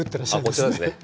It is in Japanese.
あこちらですね。